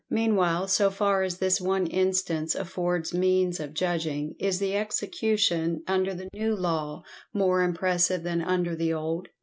Meanwhile, so far as this one instance affords means of judging, IS THE EXECUTION UNDER THE NEW LAW MORE IMPRESSIVE THAN UNDER THE OLD?